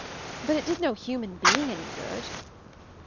But it did no human being any good."